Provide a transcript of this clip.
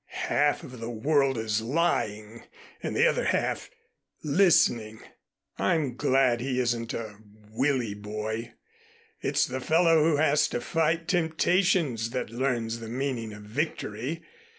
"Half of the world is lying, and the other half listening. I'm glad he isn't a willy boy. It's the fellow who has to fight temptations that learns the meaning of victory.